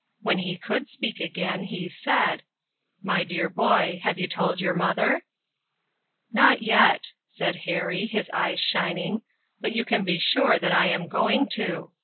When he could speak again he said :" My dear boy, have you told your mother ?"" Not yet," said Harry, his eyes shining, " but you can be sure that I am going to.